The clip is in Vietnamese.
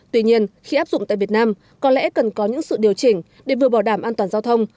tuy nhiên khi áp dụng tại việt nam có lẽ cần có những sự điều chỉnh để vừa bảo đảm an toàn giao thông